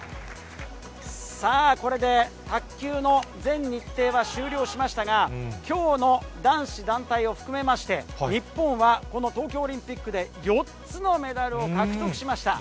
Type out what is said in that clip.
さあ、これで卓球の全日程は終了しましたが、きょうの男子団体を含めまして、日本はこの東京オリンピックで、４つのメダルを獲得しました。